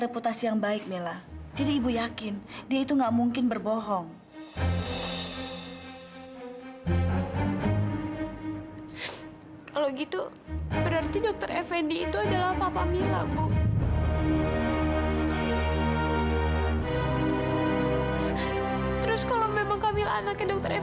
bagaimana dengan bapak